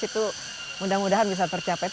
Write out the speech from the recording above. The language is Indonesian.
itu mudah mudahan bisa tercapai